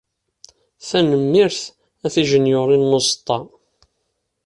Tanemmirt a Tijenyurin n uẓeṭṭa.